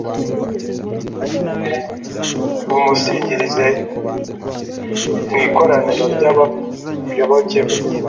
mumusingirize mu ikoraniro ry’abayoboke be